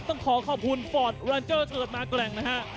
ต้องขอขอบคุณฟอร์ดรันเจอร์เกิดมากแกร่งนะฮะ